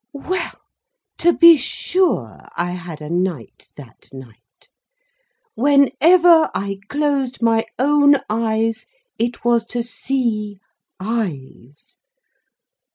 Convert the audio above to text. Well to be sure, I had a night that night! Whenever I closed my own eyes, it was to see eyes.